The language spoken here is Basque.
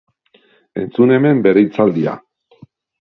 Entzun hemen bere hitzaldia.